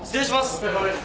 お疲れさまです。